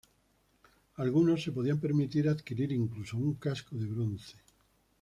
Algunos se podían permitir adquirir incluso un casco de bronce.